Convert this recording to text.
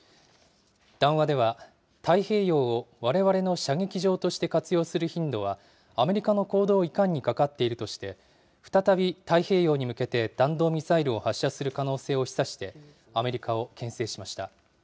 談話では、太平洋をわれわれの射撃場として活用する頻度は、アメリカの行動いかんにかかっているとして、再び太平洋に向けて弾道ミサイルを発射する可能性を示唆してアメリカをけん制しました。